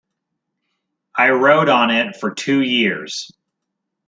I wrote on it for two years.